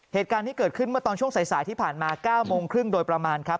เหตุการณ์ที่เกิดขึ้นเมื่อตอนช่วงสายที่ผ่านมา๙โมงครึ่งโดยประมาณครับ